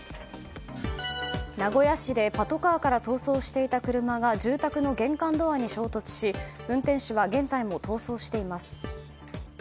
名古屋市でパトカーから逃走していた車が住宅の玄関ドアに衝突し運転手は現在も逃走しています。